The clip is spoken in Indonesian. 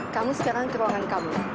kamu sekarang ke ruangan kamu